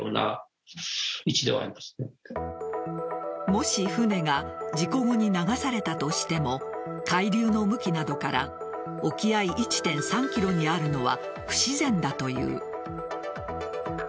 もし船が事故後に流されたとしても海流の向きなどから沖合１．３ｋｍにあるのは不自然だという。